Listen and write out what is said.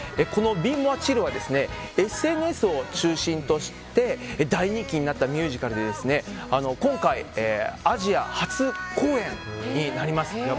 「ビー・モア・チル」はＳＮＳを中心として大人気になったミュージカルで今回、アジア初公演になります。